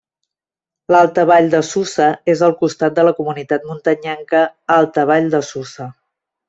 L'alta vall de Susa és al costat de la Comunitat Muntanyenca Alta Vall de Susa.